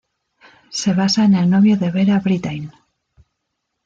Se basa en el novio de Vera Brittain.